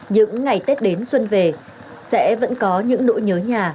những ngày tết đến xuân về sẽ vẫn có những nỗi nhớ nhà